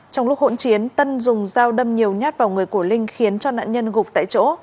trong lúc hỗn chiến tân dùng dao đâm nhiều nhát vào người của linh khiến cho nạn nhân gục tại chỗ